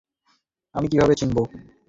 আমি জানি না, কারণ তুমি এলে রাতের অন্ধকারে।